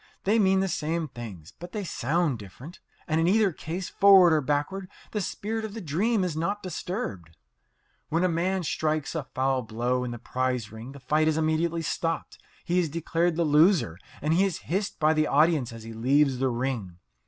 They mean the same things, but they sound different. And in either case, forward or backward, the spirit of the dream is not disturbed. When a man strikes a foul blow in the prize ring the fight is immediately stopped, he is declared the loser, and he is hissed by the audience as he leaves the ring.